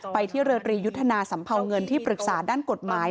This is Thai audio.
ที่เรือตรียุทธนาสัมเภาเงินที่ปรึกษาด้านกฎหมาย